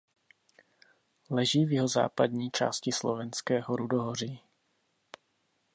Leží v jihozápadní části Slovenského rudohoří.